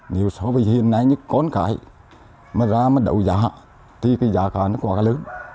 nếu so với hiện nay những con cái mà ra mà đậu giá thì cái giá cả nó còn lớn